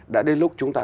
đã đến lúc chúng ta